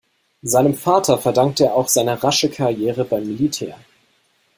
Seinem Vater verdankte er auch seine rasche Karriere beim Militär.